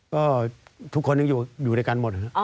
ก็ทุกคนยังอยู่ด้วยกันหมด